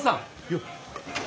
よっ！